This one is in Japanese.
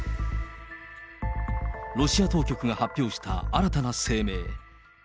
ロシア当局が発表した新たな声明。